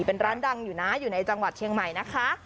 เป็นร้านดังอยู่นะอยู่ในจังหวัดเชียงใหม่นะคะ